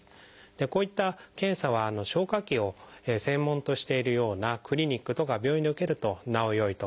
こういった検査は消化器を専門としているようなクリニックとか病院で受けるとなおよいと思います。